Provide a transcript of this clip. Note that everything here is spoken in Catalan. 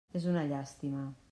És una llàstima.